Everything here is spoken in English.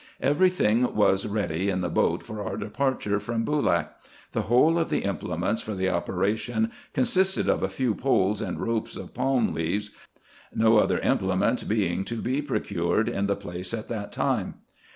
Every thing was ready in the boat for our departure from Boolak. The whole of the implements for the operation consisted of a few poles and ropes of palm leaves, no other implements being to be procured in the place at that time.